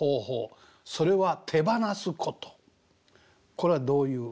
これはどういう？